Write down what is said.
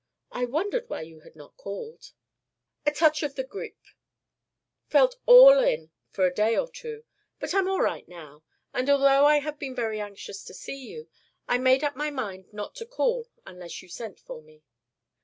I wondered why you had not called " "A touch of the grippe. Felt all in for a day or two, but am all right now. And although I have been very anxious to see you, I had made up my mind not to call unless you sent for me."